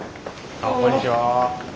あっこんにちは。